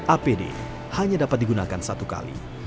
apd hanya dapat digunakan satu kali